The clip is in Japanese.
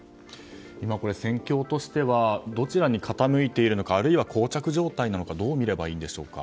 今、戦況としてはどちらに傾いているのかあるいは膠着状態なのかどう見ればいいんでしょうか？